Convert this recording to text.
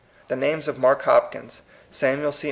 The names of Mark Hopkins, Samuel G.